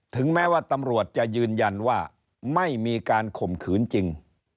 ถึงแม้ว่าตำรวจจะยืนยันว่าไม่มีการข่มขืนจริง